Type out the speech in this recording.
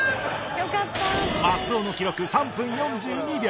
松尾の記録３分４２秒